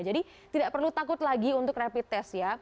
tidak perlu takut lagi untuk rapid test ya